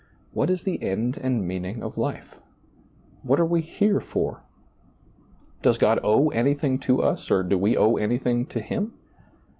What is the end and meaning of life ? What are we here for ? Does God owe anything to us, or do we owe anything to Him